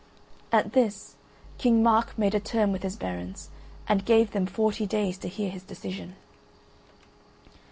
At this, King Mark made a term with his barons and gave them forty days to hear his decision.